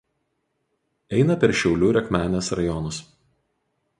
Eina per Šiaulių ir Akmenės rajonus.